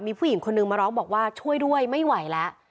มีผู้หญิงคนนึงมาร้องบอกว่าช่วยด้วยไม่ไหวแล้ว